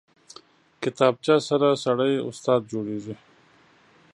کتابچه سره سړی استاد جوړېږي